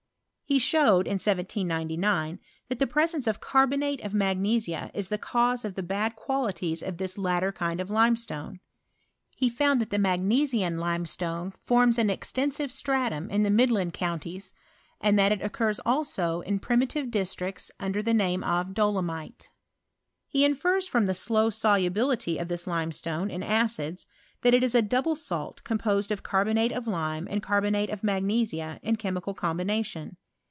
He showed, in 1799, that isence of carbonate of magnesia is the cause bad qualities of this latter kind of limestones und' that the magnesian limestone forms an ive stratum in the midland counties, and that T»also in primitive districts under the name imite. mfers from the slow solubility of this lune* D acids, that it is a double salt composed of ate of lime and carbonate of magnesia in che »' combination.